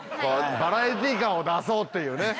バラエティー感を出そうっていうね！